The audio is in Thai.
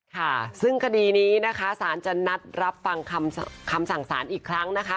ค่ะซึ่งคดีนี้นะคะสารจะนัดรับฟังคำสั่งสารอีกครั้งนะคะ